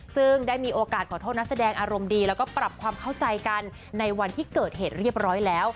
ซึ่งได้มีโอกาสขอโทษนักแสดงอารมณ์ดีแล้วก็ปรับความเข้าใจกันในวันที่เกิดเหตุเรียบร้อยแล้ว